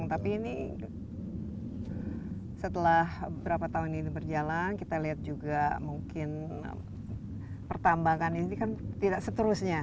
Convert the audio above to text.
tapi ini setelah berapa tahun ini berjalan kita lihat juga mungkin pertambangan ini kan tidak seterusnya